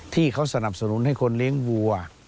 ที่เขาสนับสนุนให้คนเลี้ยงวัว